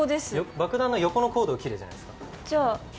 爆弾の横のコードを切れじゃないですか？